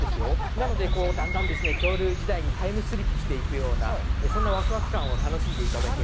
なので、だんだん恐竜時代にタイムスリップしていくような、そんなわくわく感を楽しんでいただける。